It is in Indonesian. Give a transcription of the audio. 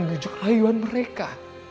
dan mengejuk layuan mereka